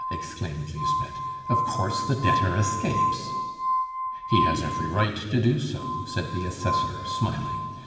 exclaimed Lisbeth. "Of course the debtor escapes." "He has every right to do so," said the Assessor, smiling.